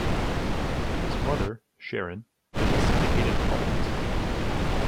His mother, Sharon, is a syndicated columnist.